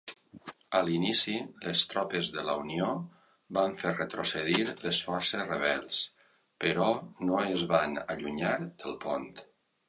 A l'inici, les tropes de la Unió van fer retrocedir les forces rebels, però no es van allunyar del pont.